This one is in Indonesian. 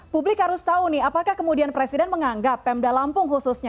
publik harus tahu nih apakah kemudian presiden menganggap pemda lampung khususnya